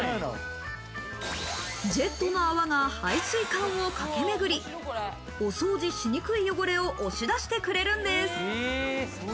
ジェットの泡が排水管を駆けめぐり、お掃除しにくい汚れを押し出してくれるんです。